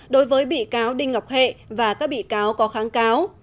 đối với bị cáo đinh ngọc hệ và các bị cáo có kháng cáo